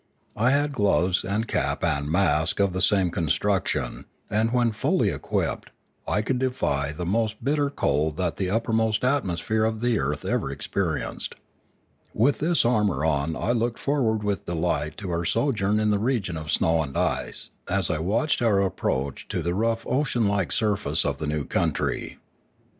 I had gloves and cap and mask of the same construction and, when fully equipped, I could defy the most bitter cold that the upper atmosphere of the earth ever experienced. With this armour on I looked forward with delight to our sojourn in the region of snow and ice as I watched our approach to the rough ocean like surface of the new country.